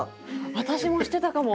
私もしてたかも。